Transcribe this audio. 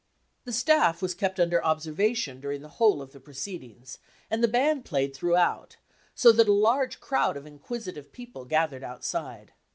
" The staff was kept under observation during the whole of the proceedings, and the band played throughout, so that a large crowd of inquisitive people gathered outside.